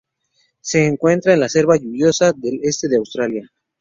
Se encuentra en la selva lluviosa del este de Australia.